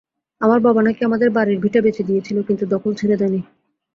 আমার বাবা নাকি আমাদের বাড়ির ভিটা বেচে দিয়েছিল, কিন্তু দখল ছেড়ে দেয়নি।